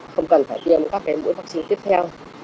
không cần phải tiêm các cái mũi vaccine tiếp theo